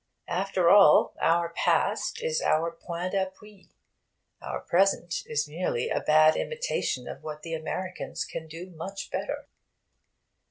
After all, our past is our point d'appui. Our present is merely a bad imitation of what the Americans can do much better.